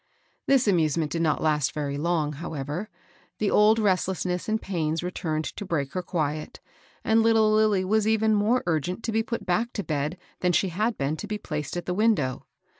This amusement did not last very long, how ever; the old restlessness and pains returned to break her qidet, and little Lilly was even more ur gent to be pi0 bapk to bed than she had been to be placed at the window.